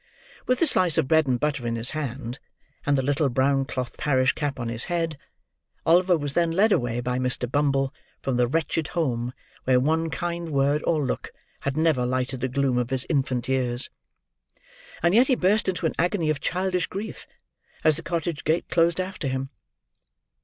With the slice of bread in his hand, and the little brown cloth parish cap on his head, Oliver was then led away by Mr. Bumble from the wretched home where one kind word or look had never lighted the gloom of his infant years. And yet he burst into an agony of childish grief, as the cottage gate closed after him.